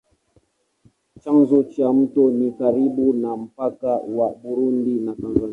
Chanzo cha mto ni karibu na mpaka wa Burundi na Tanzania.